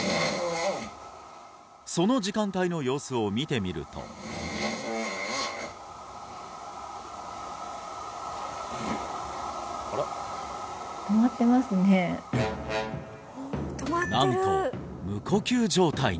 その時間帯の様子を見てみるとなんと無呼吸状態に！